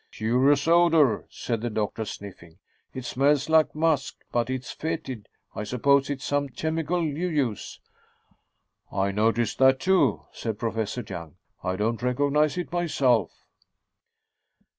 "Curious odor," said the doctor, sniffing. "It smells like musk, but is fetid. I suppose it's some chemical you use." "I noticed that, too," said Professor Young. "I don't recognize it, myself."